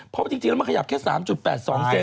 เพราะจริงแล้วมันขยับแค่๓๘๒เซต